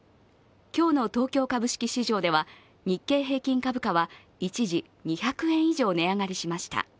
今日の東京株式市場では日経平均株価は一時２００円以上値上がりしました。